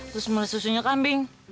terus meresu resunya kambing